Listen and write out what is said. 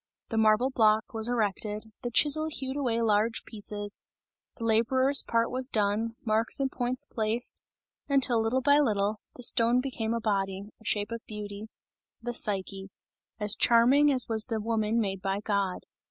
The marble block was erected, the chisel hewed away large pieces; the labourer's part was done, marks and points placed, until little by little, the stone became a body, a shape of beauty the Psyche as charming as was the woman made by God.